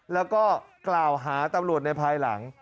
แล้วก็กล่าวหาตำรวจในภายหลัง